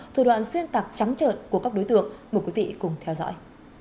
thủ đoạn xuyên tạc trắng trợt của các đối tượng mời quý vị cùng theo dõi